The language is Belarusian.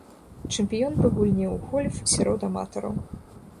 Чэмпіён па гульне ў гольф сярод аматараў.